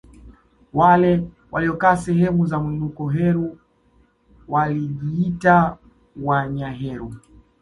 Wale waliokaa sehemu za mwinuko Heru walijiita Wanyaheru